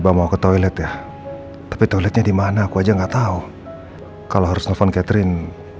kalau saya tertempat sekarang